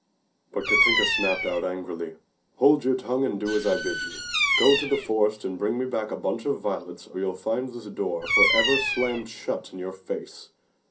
But Katinka snapped out angrily, "Hold your tongue and do as I bid you. Go to the forest and bring me back a bunch of violets or you'll find this door forever slammed shut in your face!"